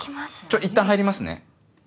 ちょっいったん入りますね。